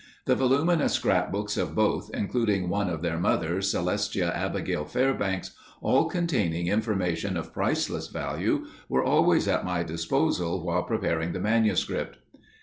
The voluminous scrapbooks of both, including one of their mother, Celestia Abigail Fairbanks, all containing information of priceless value were always at my disposal while preparing the manuscript.